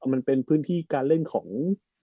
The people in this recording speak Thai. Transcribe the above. มันเป็นพื้นที่การเล่นของ